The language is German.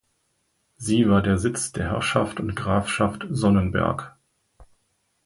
Sie war der Sitz der Herrschaft und Grafschaft Sonnenberg.